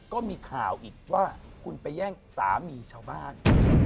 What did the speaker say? ก็มีข่าวอีกว่าคุณไปแย่งสามีชาวบ้าน